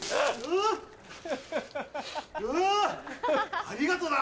あ！ありがとな！